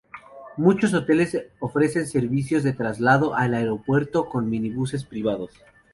Muchos hoteles ofrecen servicios de traslado al aeropuerto con mini buses privados.